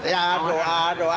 ya aduh aduh